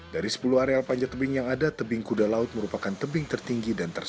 dari sepuluh areal panjat tebing yang ada tebing kuda laut merupakan tebing tertinggi